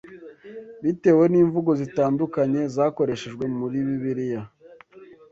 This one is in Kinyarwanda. Bitewe n’imvugo zitandukanye zakoreshejwe muri Bibiliya